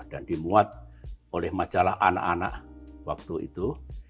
dan dimuat oleh majalah anak anak waktu itu